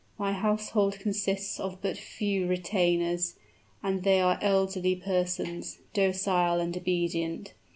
My household consists of but few retainers; and they are elderly persons docile and obedient.